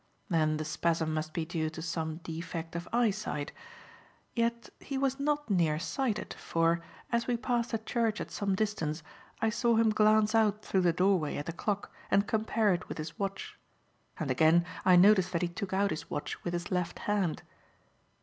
Then the spasm must be due to some defect of eyesight. Yet he was not near sighted, for, as we passed a church at some distance, I saw him glance out through the doorway at the clock and compare it with his watch; and again, I noticed that he took out his watch with his left hand.